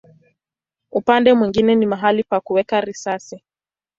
Upande mwingine ni mahali pa kuweka risasi.